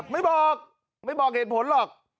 ไม่บอกไม่บอกเหตุผลหรอก